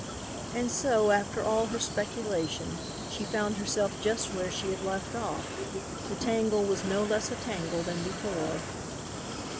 And so, after all her speculation, she found herself just where she had left off; the tangle was no less a tangle than before.